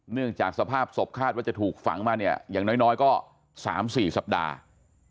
เนื่องจากสภาพศพคาดว่าจะถูกฝังมาเนี่ยอย่างน้อยก็๓๔สัปดาห์